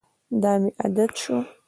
دا مې عادت شو.